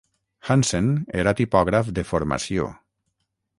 Hansen era tipògraf de formació.